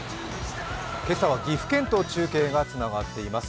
今朝は岐阜県と中継がつながっています。